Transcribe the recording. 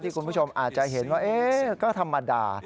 คุณผู้ชมอาจจะเห็นว่าก็ธรรมดา